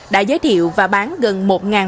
đã giới thiệu và bán gần một mặt hàng